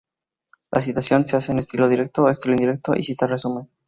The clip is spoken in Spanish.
La citación se hace en estilo directo, estilo indirecto y cita-resumen.